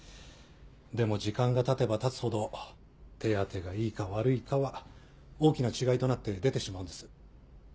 でも時間がたてばたつほど手当てがいいか悪いかは大きな違いとなって出てしまうんです。